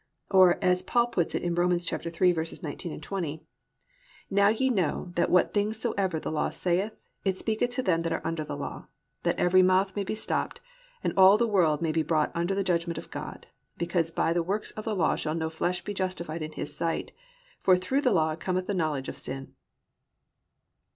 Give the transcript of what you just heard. Or, as Paul puts it in Rom. 3:19, 20, +"Now ye know that what things soever the law saith, it speaketh to them that are under the law; that every mouth may be stopped, and all the world may be brought under the judgment of God: because by the works of the law shall no flesh be justified in his sight: for through the law cometh the knowledge of sin."